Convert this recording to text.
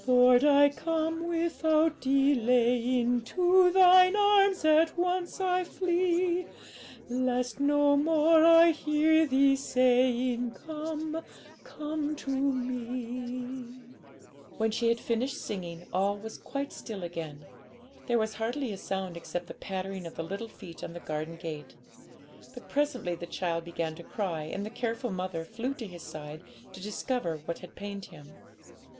'Lord, I come without delaying, To Thine arms at once I flee, Lest no more I hear Thee saying, "Come, come to Me."' When she had finished singing, all was quite still again; there was hardly a sound except the pattering of the little feet on the garden path. But presently the child began to cry, and the careful mother flew to his side to discover what had pained him.